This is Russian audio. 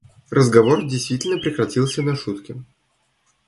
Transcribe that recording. Разговор действительно прекратился на шутке.